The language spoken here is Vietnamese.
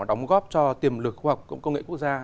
đóng góp cho tiềm lực khoa học công nghệ quốc gia